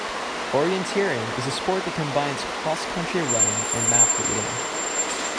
Orienteering is a sport that combines cross-country running and map reading